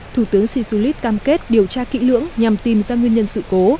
thủ tướng shisulit cam kết điều tra kỹ lưỡng nhằm tìm ra nguyên nhân sự cố